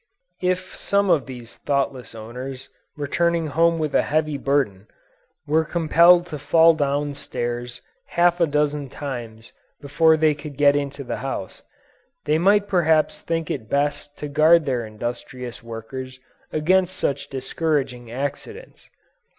If some of these thoughtless owners returning home with a heavy burden, were compelled to fall down stairs half a dozen times before they could get into the house, they might perhaps think it best to guard their industrious workers against such discouraging accidents.